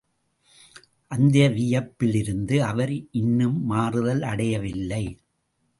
அந்த வியப்பிலிருந்து அவர் இன்னும் மாறுதல் அடையவில்லை.